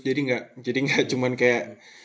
jadi gak cuman kayak